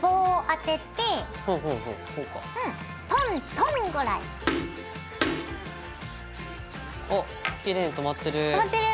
あっきれいにとまってる！